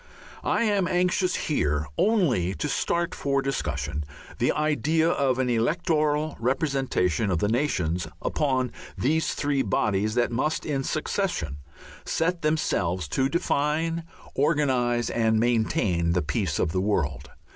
I am anxious here only to start for discussion the idea of an electoral representation of the nations upon these three bodies that must in succession set themselves to define, organize, and maintain the peace of the world.